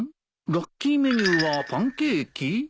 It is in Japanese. ラッキーメニューはパンケーキ？